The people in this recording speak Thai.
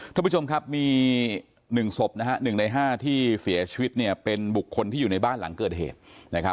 ทุกผู้ชมครับมีหนึ่งศพนะครับหนึ่งในห้าที่เสียชีวิตเนี่ยเป็นบุคคลที่อยู่ในบ้านหลังเกิดเหตุนะครับ